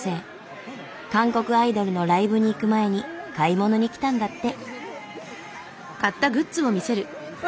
韓国アイドルのライブに行く前に買い物に来たんだって。